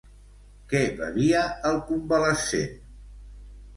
Què bevia el convalescent?